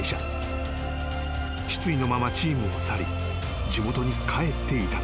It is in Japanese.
［失意のままチームを去り地元に帰っていたのだ］